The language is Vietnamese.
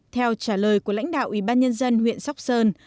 theo trả lời của lãnh đạo ủy ban nhân dân huyện sóc sơn